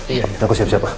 iya yaudah aku siap siap pak